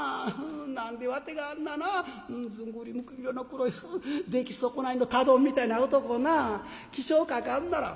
何でわてがあんななずんぐりむっくり色の黒い出来損ないの炭団みたいな男な起請書かんならん？」。